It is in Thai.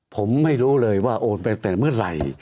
ผมไม่รู้เลยว่าโอนไปแต่เมื่อไหร่